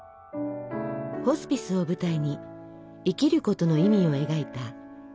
ホスピスを舞台に生きることの意味を描いた「ライオンのおやつ」。